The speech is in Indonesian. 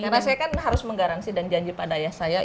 karena saya kan harus menggaransi dan janji pada ayah saya